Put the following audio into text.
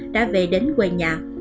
đã về đến quê nhà